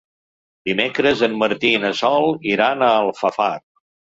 Dimecres en Martí i na Sol iran a Alfafar.